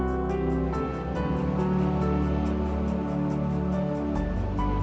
aku nggak akan pernah jatuh cinta sama kamu